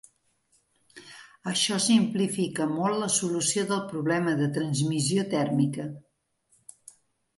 Això simplifica molt la solució del problema de transmissió tèrmica.